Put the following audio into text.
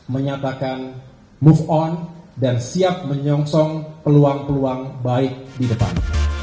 menyatakan move on dan siap menyongsong peluang peluang baik di depan